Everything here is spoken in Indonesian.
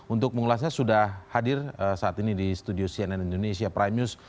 untuk mengulasnya sudah hadir saat ini di studio cnn indonesia prime news